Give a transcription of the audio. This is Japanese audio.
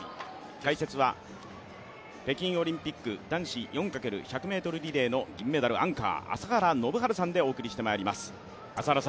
解説は北京オリンピック男子４×１００ｍリレーの銀メダリスト、朝原宣治さんでお送りしてまいります。